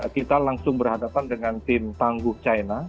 kita langsung berhadapan dengan tim tangguh china